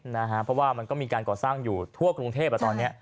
เพราะว่ามันก็มีการก่อสร้างอยู่ทั่วกรุงเทพตอนนี้